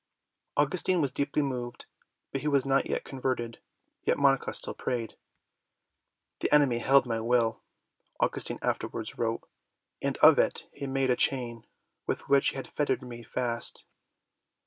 Augustine was deeply moved, but he was not yet converted. Yet Monica still prayed. "The enemy held my will," Augustine afterwards wrote, "and of it he made a chain with which he had fettered me fast.